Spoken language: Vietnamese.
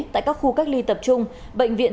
tại các khu cách ly tập trung bệnh viện